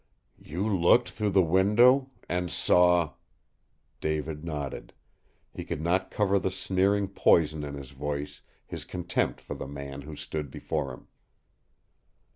"You looked through the window and saw " David nodded. He could not cover the sneering poison in his voice, his contempt for the man who stood before him.